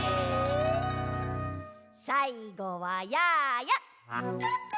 さいごはやーや。